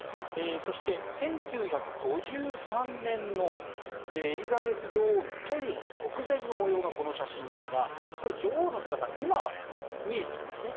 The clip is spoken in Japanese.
そして、１９５３年のエリザベス女王の塗油の直前の模様がこの写真ですが女王の姿、今は見えていますね。